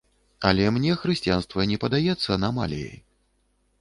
Але мне хрысціянства не падаецца анамаліяй.